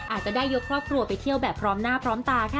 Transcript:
อาจจะได้ยกครอบครัวไปเที่ยวแบบพร้อมหน้าพร้อมตาค่ะ